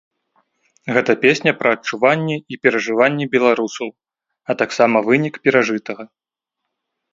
Гэта песня пра адчуванні і перажыванні беларусаў, а таксама вынік перажытага.